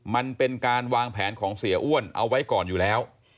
มันเป็นการวางแผนของเสียอ้วนเอาไว้ก่อนอยู่แล้ว